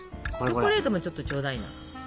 チョコレートもちょっとちょうだいな。